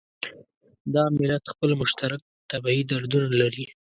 دا ملت خپل مشترک طبعي دردونه لري.